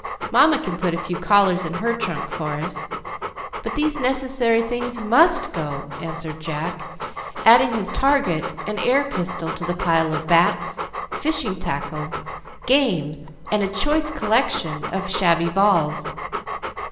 Mamma can put a few collars in her trunk for us; but these necessary things must go," answered Jack, adding his target and air pistol to the pile of bats, fishing tackle, games, and a choice collection of shabby balls.